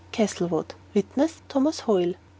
"CASTLEWOOD. "(Witness) THOMAS HOYLE."